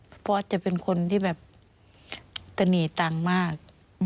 ข้อพรจะเป็นคนที่แบบกะหนี่ตังค์มาก